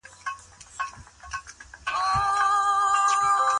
قاضي په کومو حالاتو کي د تفريق واک کاروي؟